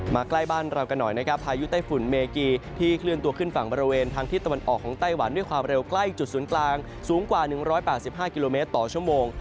ใกล้บ้านเรากันหน่อยนะครับพายุไต้ฝุ่นเมกีที่เคลื่อนตัวขึ้นฝั่งบริเวณทางที่ตะวันออกของไต้หวันด้วยความเร็วใกล้จุดศูนย์กลางสูงกว่า๑๘๕กิโลเมตรต่อชั่วโมง